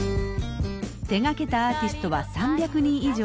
手がけたアーティストは３００人以上。